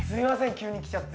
急に来ちゃって。